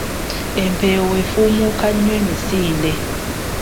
Empeewo efuumuka nnyo emisinde